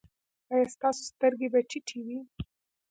ایا ستاسو سترګې به ټیټې وي؟